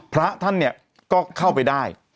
พระท่านเนี่ยก็เข้าไปได้